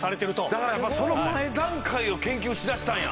だからその前段階を研究しだしたんや！